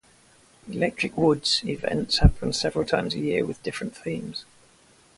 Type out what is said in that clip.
"Electric Woods" events happen several times a year with different themes.